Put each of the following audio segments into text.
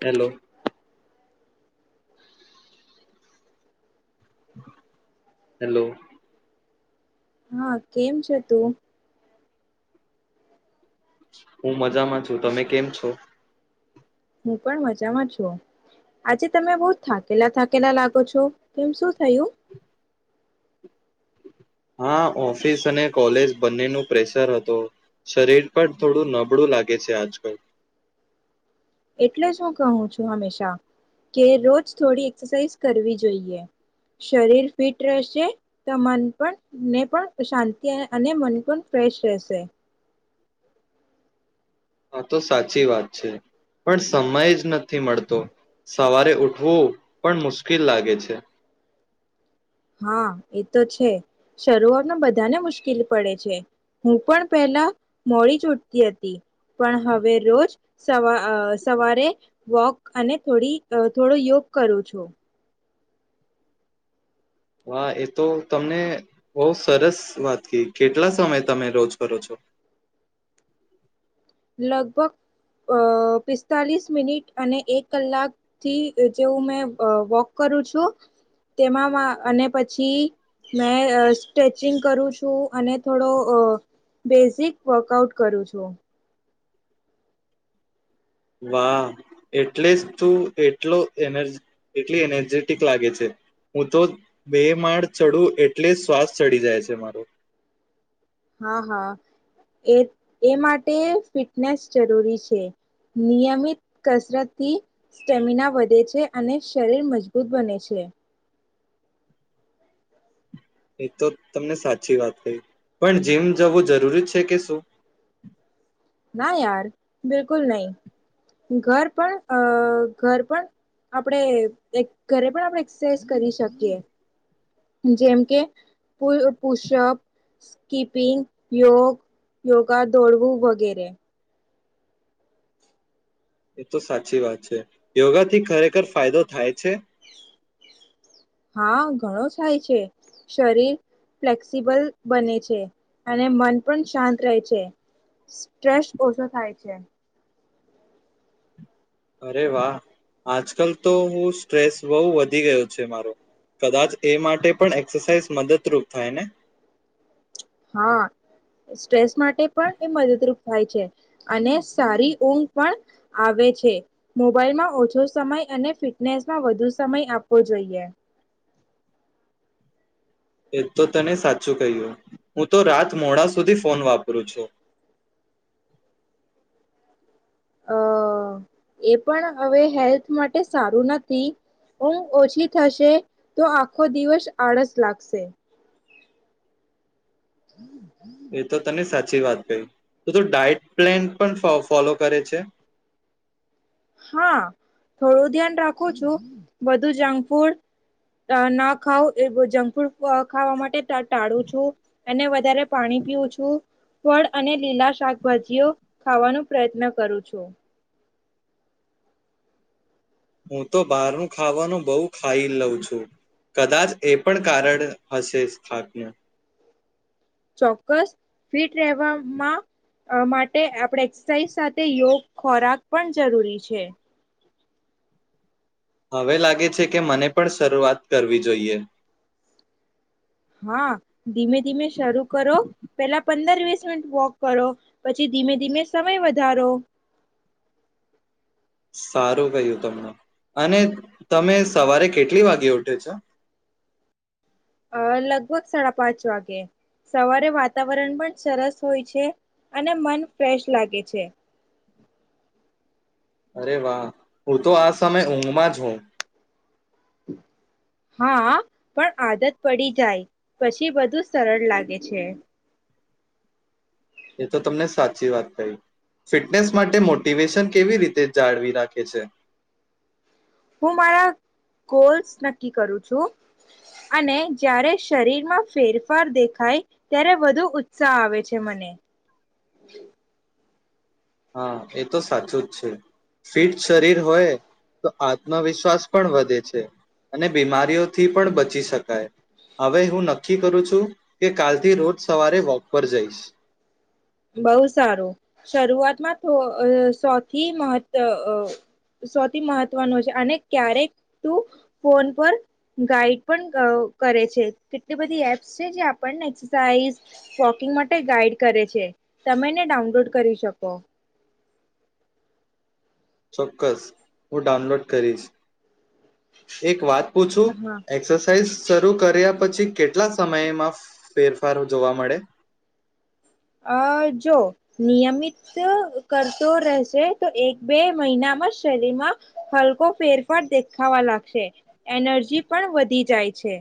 Hello. [inaudible] Hello. હા કેમ છ તું. હું મજામાં છું તમે કેમ છો. હું પણ મજામાં છું આજે તમે બહ થાકેલા થાકેલા લાગો છો તેમ શું થયું. હા ઓફિસ અને કોલેજ બંનેનું પ્રેશર હત શરીર પણ થોડું નબળું લાગે છે આજકાલ. એટલે જ હું કહું છું હંમેશા કે રોજ થોડી એક્સરસાઇઝ કરવી જોઈએ શરીર ફિટ રહેશે તો મન પણ ને પણ શાંતિ અને મન પણ ફ્રેશ રહેશે. હા તો સાચી વાત છે પણ સમય જ નથી મળતો. સવારે ઉઠવું પણ મુશ્કેલ લાગે છે. હા એ તો છે શરૂઆતમાં બધાને મુશ્કેલ પડે છે હું પણ પહેલા મોડી ચૂટતી હતી પણ હવે રોજ સવા સવારે વોક અને થોડી થોડો યોગ કરું છું. હા એ તો તમને બહ સરસ વાત ક કેટલા સમય તમે રોજ કરો છો. લગભગ અ પિસ્તાલીસ મિનિટ અને એક કલાકથી જેવું મેં વોક કરું છું તેમાં અને પછી મેં સ્ટ્રેચિંગ કરું છું અને થોડો બેઝિક વર્કઆઉટ કરું છું. વાહ એટલે જ તું એટલો એ એટલી એનર્જેટિક લાગે છે હું તો બે માળ ચડું એટલે જ શ્વાસ ચડી જાય છે મારો. હા હા એ એ માટે ફિટનેસ જરૂરી છે નિયમિત કસરતથી સ્ટેમિના વધે છે અને શરીર મજબૂત બને છે. એ તો તમને સાચી વાત કહી પણ જીમ જવું જરૂરી છે કે શું. ના યાર બિલકુલ નહી ઘર પણ અ ઘર પણ આપણેે ઘરે પણ આપણે એક્સરસાઇઝ કરી શકીએ. જેમ કે પ પુષપ સ્કીપિંગ યોગ યોગા દોડવું વગેરે. એ તો સાચી વાત છે યોગા થી ખરેખર ફાયદો થાય છે. હા ઘણો થાય છે શરીર ફ્લેક્સિબલ બને છે અને મન પણ શાંત રહે છે સ્ટ્રેસ ઓછો થાય છે. અરે વાહ આજકાલ તો હું સ્ટ્રેસ બહુ વધી ગયો છે મારો કદાચ એ માટે પણ એક્સરસાઇઝ મદદરૂપ થાય ન હા સ્ટ્રેસ માટે પણ એ મદદરૂપ થાય છે અને સારી ઊંઘ પણ આવે છે મોબાઈલમાં ઓછો સમય અને ફિટનેસમાં વધુ સમય આપવો જોઈએ. એ તો તને સાચું કહ્યું હું તો રાત મોડા સુધી ફોન વાપરું છું. અ એ પણ હવે હેલ્થ માટે સારું નથી ઊંઘ ઓછી થશે તો આખો દિવસ આળસ લાગશે. હમ. એ તો તને સાચી સાચી વાત કઈ તો ત ડાયટ પ્લાન પણ ફોલો કરે છે. હા થોડું ધ્યાન રાખું છું બધું જંક ફૂડ ના ખાવ એ જંક ફૂડ ખાવા માટે ટાળું છું અને વધારે પાણી પીવું છું. ફળ અને લીલા શાકભાજીઓ ખાવાનો પ્રયત્ન કરું છું. હું તો બહારનું ખાવાનું બહુ ખાઈ લઉં છું કદાચ એ પણ કારણ હશે થાકને ચોક્કસ ફિટ રહેવામાં માટે આપણે એક્સરસાઇઝ સાથે યોગ ખોરાક પણ જરૂરી છે. હવે લાગે છે કે મને પણ શરૂઆત કરવી જોઈએ. હા ધીમે ધીમે શરૂ કરો પેલા પંદર વીસ મિનિટ વોક કરો પછી ધીમે ધીમે સમય વધારો સારું કહ્યું તમને અને તમે સવારે કેટલી વાગે ઉઠો છો. અ લગભગ સાડા પાંચ વાગે સવારે વાતાવરણ પણ સરસ હોય છે અને મન ફ્રેશ લાગે છે. અરે વાહ હું તો આ સમય ઊંઘમાં જ હોઉ. હા પણ આદત પડી જાય પછી બધું સરળ લાગે છે. એ તો તમને સાચી વાત કહિ ફિટનેસ માટે મોટિવેશન કેવી રીતે જાળવી રાખે છે? હું મારા ગોલ્સ નક્કી કરું છું અને જ્યારે શરીરમાં ફેરફાર દેખાય ત્યારે વધુ ઉત્સાહ આવે છે મને. હા એ તો સાચું જ છે ફિટ શરીર હોય તો આત્મવિશ્વાસ પણ વધે છે અને બીમારીઓથી પણ બચી શકાય હવે હું નક્કી કરું છું કે કાલથી રોજ સવારે વોક પર જઈશ. બઉુ સારું શરૂઆતમાં સૌથી મહ સૌથી મહત્વનું છે અને ક્યારેક તું ફોન પર ગાઈડ પણ કરે છે કેટલી બધી એપ્સ છે જે આપણને એસસાઇઝ વોકિંગ માટે ગાઈડ કરે છે. તમે એને ડાઉનલોડ કરી શકો. ચોક્કસ હું ડાઉનલોડ કરીશ. એક વાત પૂછું? હા એક્સરસાઇઝ શરૂ કર્યા પછી કેટલા સમયમાં ફેરફાર જોવા મળે? અ જો નિયમિત કરતો રહેશે તો એક બે મહિનામાં શરીરમાં હલકો ફેરફાર દેખાવા લાગશે એનર્જી પણ વધી જાય છે.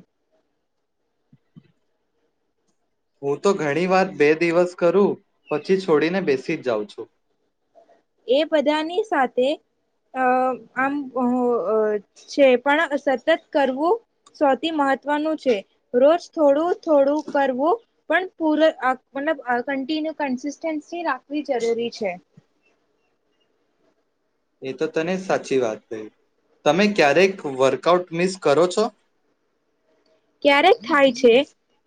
હું તો ઘણી વાત બે દિવસ કરું પછી છોડીને બેસી જ જાઉં છું. એ બધાની સાથે અ આમ છે પણ સતત કરવું સૌથી મહત્વનું છે રોજ થોડું થોડું કરવું પણ પૂલબ કન્ટિન્યુ કન્સન્સી રાખવી જરૂરી છે. એ તો તને સાચી વાત છે તમે ક્યારેક વર્કઆઉટ મિસ કરો છો. ક્યારેક થાય છે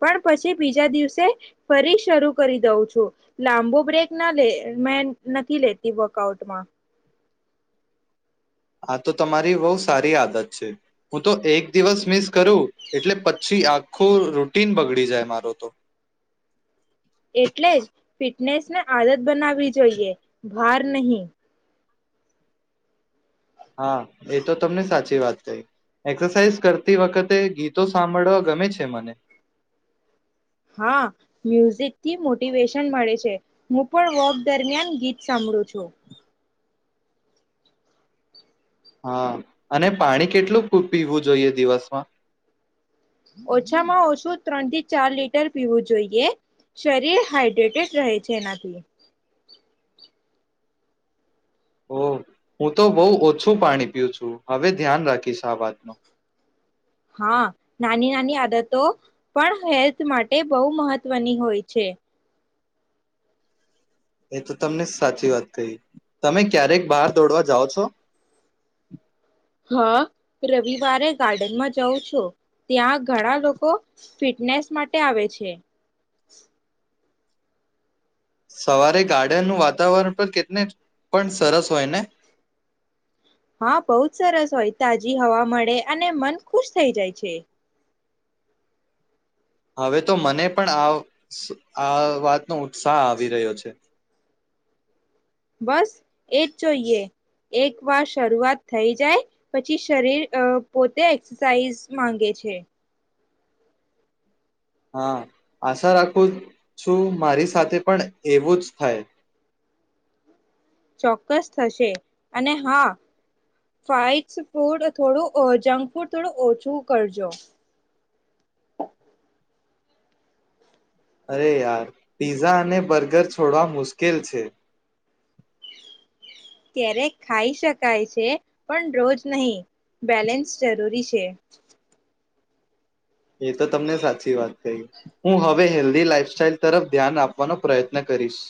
પણ પછી બીજા દિવસે ફરી શરૂ કરી દઉં છું લાંબો બ્રેક નાે મે નથી લેતી વકઆઉટમાં. આ તો તમારી બહુ સારી આદત છે હું તો એક દિવસ મિસ કરું એટલે પછી આખું રૂટીન બગડી જાય મારો તો. એટલે જ ફિટનેસને આદત. બનાવી જોઈએ. હાર નહીં. હા એ તો તમને સાચી વાત કહી એક્સરસાઇઝ કરતી વખતે ગીતો સાંભળવા ગમે છે મને. હા મ્યુઝિક થી મોટિવેશન મળે છે હું પણ વોક દરમિયાન ગીત સાંભળું છું. હા અને પાણી કેટલું પીવું જોઈએ દિવસમાં? ઓછામાં ઓછું ત્રણ થી ચાર લીટર પીવું જોઈએ શરીર હાઈડ્રેટેડ રહે છે એનાથી. ઓ હું તો બહુ ઓછું પાણી પીું છું હવે ધ્યાન રાખીશ આ વાતનું. હા નાની નાની આદતો પણ હેલ્થ માટે બહુ મહત્વની હોય છે. એ તો તમને સાચી વાત કહી તમે ક્યારેક બહાર દોડવા જાઓ છો. હા રવિવારે ગાર્ડનમાં જઉં છું ત્યાં ઘણા લોકો ફિટનેસ માટે આવે છે. સવારે ગાડ્યાનું વાત. તાવરણ પર કેટલી પણ સરસ હોય ને! હા બહુ જ સરસ હોય તાજી હવા મળે અને મન ખુશ થઈ જાય છે. હવે તો મને પણ આ વાતનો ઉત્સાહ આવી રહ્યો છે. બસ એજ જોઈએ એક વાર શરૂઆત થઈ જાય પછી શરીર પોતે એક્સરસાઇઝ માંગે છે. હા આશા રાખું છું મારી સાથે પણ એવું જ થાય. ચોક્કસ થશે અને હા ફાઇડ ફૂડ થોડું જંક ફૂડ થોડું ઓછું કરજો. અરે યાર પીઝઝા અને બર્ગર છોડવા મુશ્કેલ છે. ક્યારે ખાઈ શકાય છે પણ રોજ નહી બેલેન્સ જરૂરી છે. એ તો તમને સાચી વાત કહી હું હવે હેલ્ધી લાઈફસ્ટાઈલ તરફ ધ્યાન આપવાનો પ્રયત્ન કરીશ.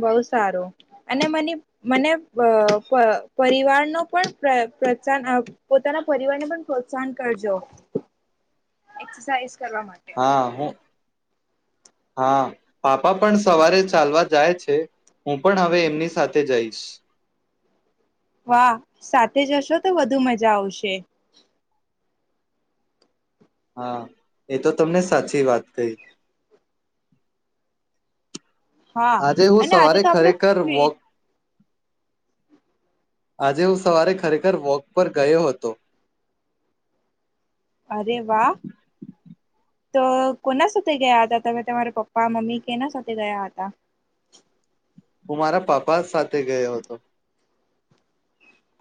બહ સારું અને મને મને પરિવાર ન પણ પ્રોત્સાહન પોતાના પરિવારને પણ પ્રોત્સાહન કરજો એ. હા હું હા પાપા પણ સવારે ચાલવા જાય છે હું પણ હવે એમની સાથે જઈશ. વાહ સાથે જશો તો વધુ મજા આવશે. હા એ તો તમને સાચી વાત કઈ. હા આજે હું અને આજે સવારે તો આપણે ખરેખર ફિટ વોક આજે હું સવારે ખરેખર વોક પર ગયો હતો. અરે વાહ તો કોના સાથે ગયા હતા તમે તમારા પપ્પા મમ્મી કેના સાથે ગયા હતા. હું મારા પાપા સાથે ગયો હતો.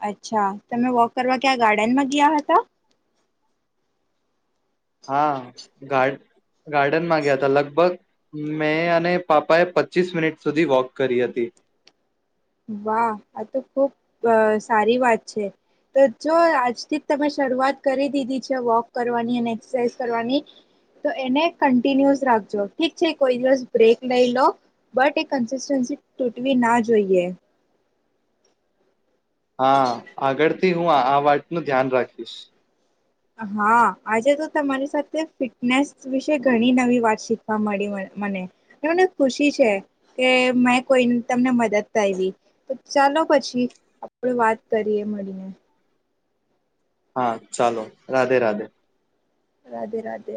અચ્છા, તમે વોક કરવા ક્યાં ગાર્ડનમાં ગયા હતા. હા, ગારડ ગાર્ડનમાં ગયા હતા. લગભગ મેં અને પાપાએ પચીસ મિનિટ સુધી વોક કરી હતી. વાહ આ તો ખુબ સારી વાત છે. તો જો આજથી જ તમે શરૂઆત કરી દીધી છે. વોક કરવાની અને એક્સરસાઇઝ કરવાની તો એને કન્ટિન્યુસ રાખજો ઠીક છે. કોઈ દિવસ બ્રેક લઈ લો બટ એ કન્સિસ્ટન્સી તૂટવી ના જોઈએ. હા, આગળ. થી હું આ વાત નું ધ્યાન રાખીશ. હા, આજે તો તમારી સાથે ફિટનેસ વિશે ઘણી નવી વાત શીખવા મળી મને મને ખુશી છે. કે મેં કોઈ તમને મદદ કરવી ચાલો પછી, આપડ વાત કરીએ મળીને. હા, ચાલો રાધે રાધે. રાધે રાધે.